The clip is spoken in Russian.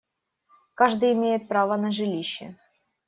Каждый имеет право на жилище.